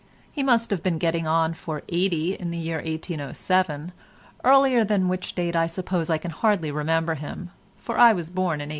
He must have been getting on for eighty in the year 1807, earlier than which date I suppose I can hardly remember him, for I was born in 1802.